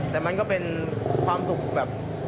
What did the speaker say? แต่มันก็เป็นความสุขแบบ